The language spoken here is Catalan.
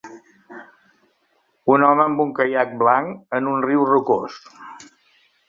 Un home amb un caiac blanc en un riu rocós.